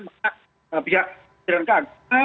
maka pihak penjelenggara agama